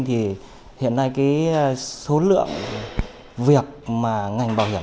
thì hiện nay cái số lượng việc mà ngành bảo hiểm